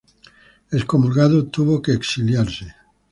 Excomulgado, tuvo que exiliarse.